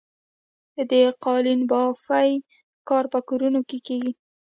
د قالینبافۍ کار په کورونو کې کیږي؟